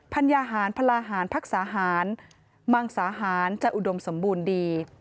ัญญาหารพลาหารพักษาหารมังสาหารจะอุดมสมบูรณ์ดี